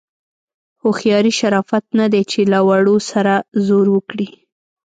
هوښیاري شرافت نه دی چې له وړو سره زور وکړي.